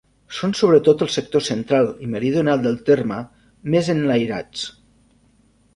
Són sobretot els sectors central i meridional del terme, més enlairats.